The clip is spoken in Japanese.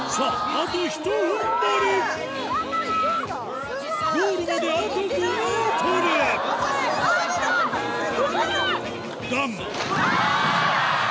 あとひと踏ん張りゴールまであと５ｍだがあぁ！